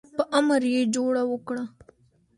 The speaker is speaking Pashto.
په امر یې جوړه وکړه.